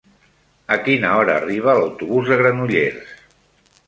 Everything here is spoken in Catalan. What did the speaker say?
A quina hora arriba l'autobús de Granollers?